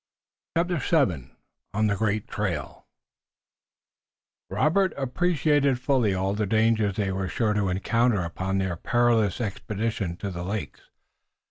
CHAPTER VII ON THE GREAT TRAIL Robert appreciated fully all the dangers they were sure to encounter upon their perilous expedition to the lakes.